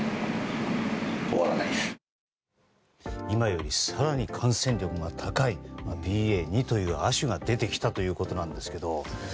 今より更に感染力が高いＢＡ．２という亜種が出てきたということなんですけど。